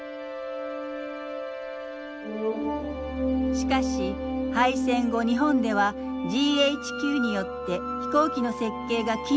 しかし敗戦後日本ではＧＨＱによって飛行機の設計が禁止されてしまいます。